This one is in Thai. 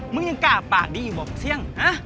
มึงยังกล้าปากดีบอกเชี่ยง